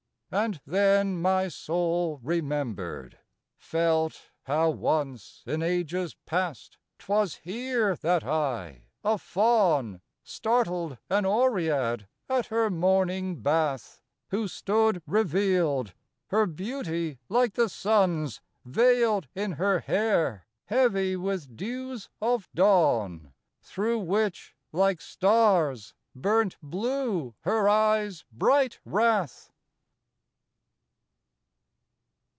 And then my soul remembered felt, how once, In ages past, 'twas here that I, a Faun, Startled an Oread at her morning bath, Who stood revealed; her beauty, like the sun's, Veiled in her hair, heavy with dews of dawn, Through which, like stars, burnt blue her eyes' bright wrath.